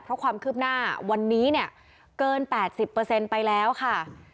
เพราะความคืบหน้าวันนี้เนี่ยเกินแปดสิบเปอร์เซ็นต์ไปแล้วค่ะ